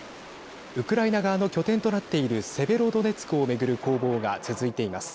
ウクライナ側の拠点となっているセベロドネツクを巡る攻防が続いています。